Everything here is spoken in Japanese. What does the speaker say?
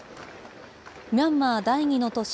ミャンマー第２の都市